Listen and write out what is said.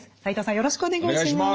よろしくお願いします。